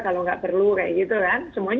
kalau nggak perlu kayak gitu kan semuanya